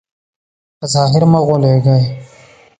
په ظاهر مه غولېږئ.